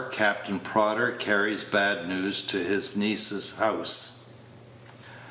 CAPTAIN PRODDER CARRIES BAD NEWS TO HIS NIECE'S HOUSE.